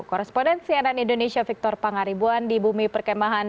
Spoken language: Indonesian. korrespondensi anak indonesia victor pangaribuan di bumi perkembangan